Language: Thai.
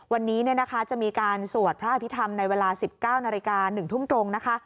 วันนี้จะมีการสวดพระอภิธรรมในเวลา๑๙น๑ทุ่มตรง